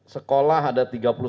sekolah ada tiga puluh sembilan